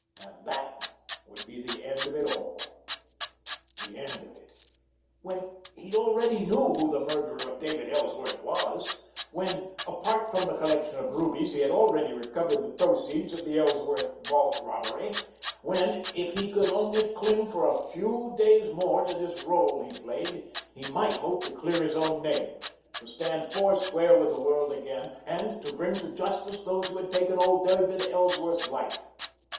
And that would be the end of it all! The end of it—when he already knew who the murderer of David Ellsworth was; when, apart from the collection of rubies, he had already recovered the proceeds of the Ellsworth vault robbery; when, if he could only cling for a few days more to this rôle he played, he might hope to clear his own name, to stand foursquare with the world again, and to bring to justice those who had taken old David Ellsworth's life.